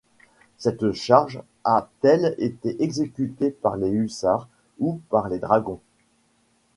Cette charge a-t-elle été exécutée par les hussards ou par les dragons ?